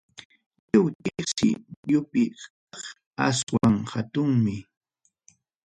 Lliw tiqsi muyupi kaq, aswan hatunmi.